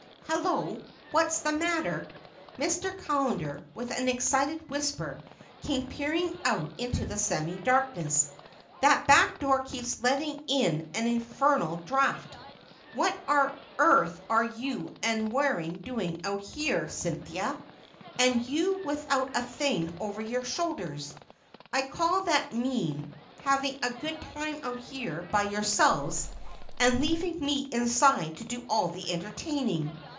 "Hello, what's the matter?" Mr. Callender, with an excited whisper, came peering out into the semi darkness. "That back door keeps letting in an infernal draught. What on earth are you and Waring doing out here, Cynthia? And you without a thing over your shoulders! I call that mean, having a good time out here by yourselves, and leaving me inside to do all the entertaining.